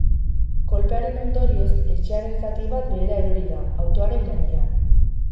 Kolpearen ondorioz, etxearen zati bat behera erori da, autoaren gainean.